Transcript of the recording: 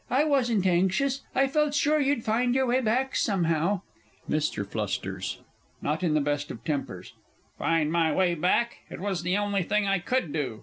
I wasn't anxious I felt sure you'd find your way back somehow! MR. F. (not in the best of tempers). Find my way back! It was the only thing I could do.